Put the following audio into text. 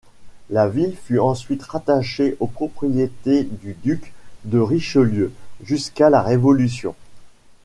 La ville fut ensuite rattachée aux propriétés du duc de Richelieu jusqu'à la Révolution.